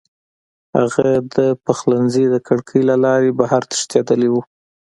هغه د پخلنځي د کړکۍ له لارې بهر تښتېدلی و